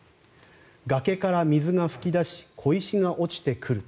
崖から水が噴き出し小石が落ちてくる。